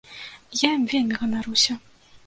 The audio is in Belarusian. Я ім вельмі ганаруся.